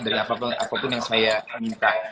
dari apapun apapun yang saya minta